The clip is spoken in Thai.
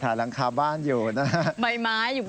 ท่ายหลังคาบ้านอยู่นะ